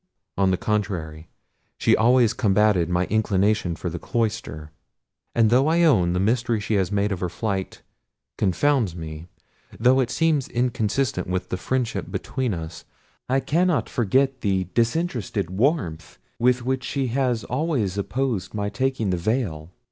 On the contrary, she always combated my inclination for the cloister; and though I own the mystery she has made to me of her flight confounds me; though it seems inconsistent with the friendship between us; I cannot forget the disinterested warmth with which she always opposed my taking the veil.